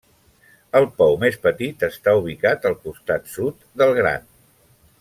El pou més petit està ubicat al costat sud del gran.